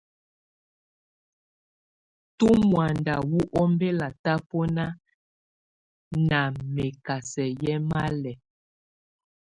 Tù mɔ̀ánda wù ɔmbɛla tabɔna na mɛkasɛ yɛ malɛ.